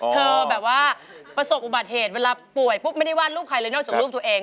แบบว่าประสบอุบัติเหตุเวลาป่วยปุ๊บไม่ได้วาดรูปใครเลยนอกจากรูปตัวเอง